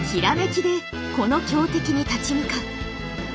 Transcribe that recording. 閃きでこの強敵に立ち向かう。